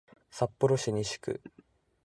札幌市西区